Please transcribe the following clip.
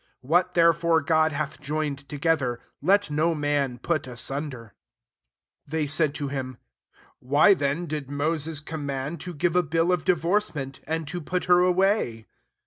What, therefore, God hath joined together, let no man put asunder. 7 They said to him, " Why then did Moses command to give a bill of divorcement, and to put her away?